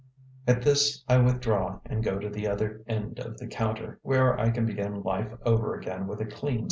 At this I withdraw and go to the other end of the counter, where I can begin life over again with a clean slate.